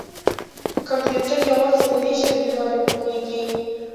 کمپیوټر یوازې د دې ژبې له لارې پوهېږي.